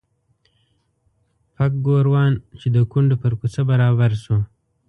پک ګوروان چې د کونډو پر کوڅه برابر شو.